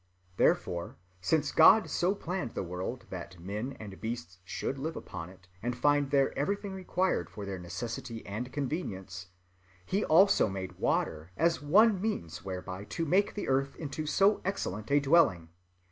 Therefore since God so planned the world that men and beasts should live upon it and find there everything required for their necessity and convenience, he also made water as one means whereby to make the earth into so excellent a dwelling.